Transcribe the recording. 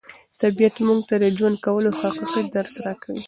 طبیعت موږ ته د ژوند کولو حقیقي درس راکوي.